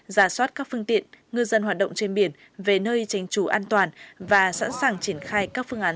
giả soát các phương tiện ngư dân hoạt động trên biển về nơi tranh trú an toàn và sẵn sàng triển khai các phương án